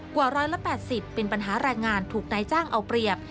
กว่า๑๘๐เป็นปัญหาแรงงานถูกนายจ้างเอาเปรียบ